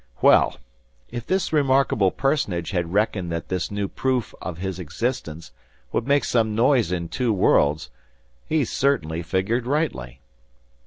Well! If this remarkable personage had reckoned that this new proof of his existence would make some noise in two worlds, he certainly figured rightly.